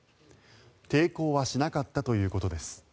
抵抗はしなかったということです。